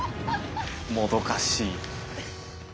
もどかしい。